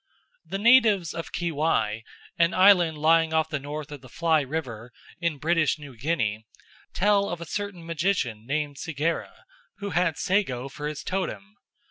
The natives of Kiwai, an island lying off the mouth of the Fly River in British New Guinea, tell of a certain magician named Segera, who had sago for his totem.